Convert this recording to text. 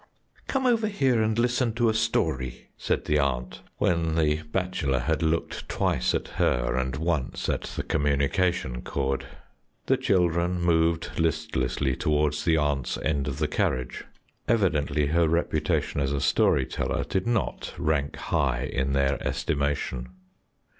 "Come over here and listen to a story," said the aunt, when the bachelor had looked twice at her and once at the communication cord. The children moved listlessly towards the aunt's end of the carriage. Evidently her reputation as a story teller did not rank high in their estimation.